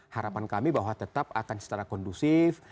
harapan kami bahwa tetap akan secara kondusif